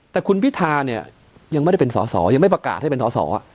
แต่คุณพิธาเนี่ยยังไม่ได้เป็นสอสอยังไม่ประกาศให้เป็นสอสอ